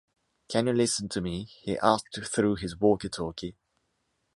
‘‘Can you listen to me?’’ he asked through his walkie talkie.